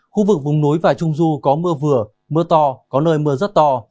khu vực vùng núi và trung du có mưa vừa mưa to có nơi mưa rất to